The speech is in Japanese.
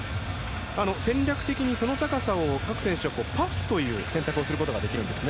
戦略的にその高さを各選手はパスという選択をすることができるんですね。